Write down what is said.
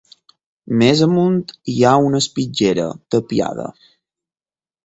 Més amunt, hi ha una espitllera tapiada.